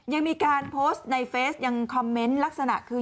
ยังมีการโพสต์ในเฟสยังคอมเมนต์ลักษณะคือ